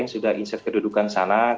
yang sudah inset kedudukan sana